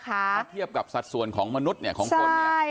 ถ้าเทียบกับสัดส่วนของมนุษย์เนี่ยของคนเนี่ย